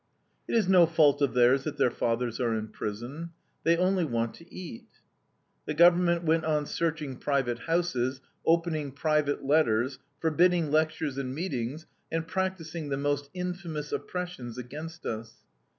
It is no fault of theirs that their fathers are in prison; they only want to eat. "The government went on searching private houses, opening private letters, forbidding lectures and meetings, and practicing the most infamous oppressions against us.